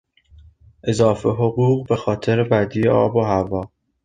اضافه حقوق به خاطر بدی آب و هوا